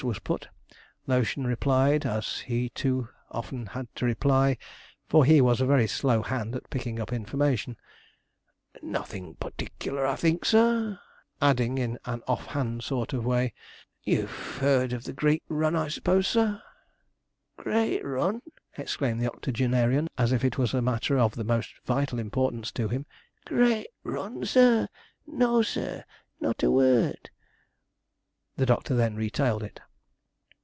was put, Lotion replied, as he too often had to reply, for he was a very slow hand at picking up information. 'Nothin' particklar, I think, sir,' adding, in an off hand sort of way, 'you've heard of the greet run, I s'pose, sir?' 'Great run!' exclaimed the octogenarian, as if it was a matter of the most vital importance to him; 'great run, sir; no, sir, not a word!' The doctor then retailed it.